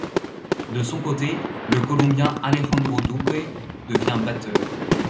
De son côté, le colombien Alejandro Duque devient batteur.